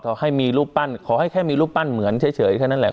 ขอให้มีรูปปั้นขอให้แค่มีรูปปั้นเหมือนเฉยแค่นั้นแหละ